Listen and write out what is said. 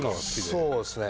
そうですね。